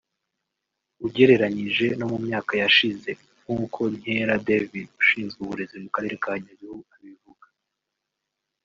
ugereranyije no mu myaka yashize nk’uko Nkera David ushinzwe uburezi mu Karere ka Nyabihu abivuga